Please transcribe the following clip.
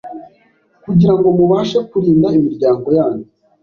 kugira ngo mubashe kurinda imiryango yanyu